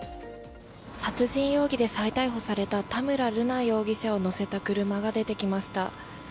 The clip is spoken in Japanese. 殺人容疑で再逮捕された田村瑠奈容疑者を乗せた車が出てきました。